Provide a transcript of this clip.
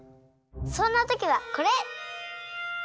そんなときはこれ！